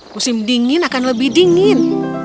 musim dingin akan lebih dingin